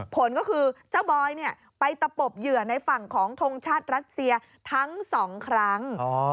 ผลก็คือเจ้าบอยไปตะปบเหยื่อในฝั่งของทงชาติรัสเซียทั้ง๒ครั้ง